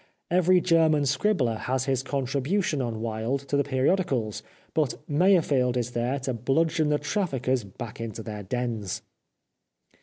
Every German scribbler has his contribution on Wilde to the periodicals, but Meyerfeld is there to bludgeon the traffickers back into their dens.